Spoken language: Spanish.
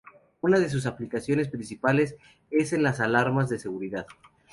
Una de sus aplicaciones principales es en las alarmas de seguridad.